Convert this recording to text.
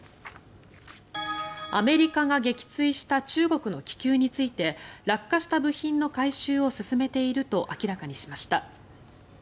アメリカが撃墜した中国の気球について落下した部品の回収を進めていると明らかにしました。